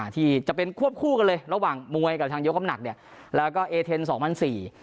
ที่จะเป็นควบคู่กันเลยระหว่างมวยกับทางยกน้ำหนักเนี่ยแล้วก็เอเทนสองพันสี่